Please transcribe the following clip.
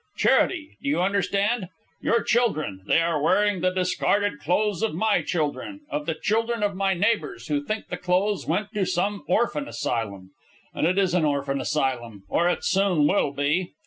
Charity do you understand? Your children they are wearing the discarded clothes of my children, of the children of my neighbours who think the clothes went to some orphan asylum. And it is an orphan asylum... or it soon will be."